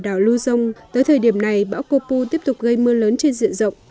đảo luzon tới thời điểm này bão copu tiếp tục gây mưa lớn trên diện rộng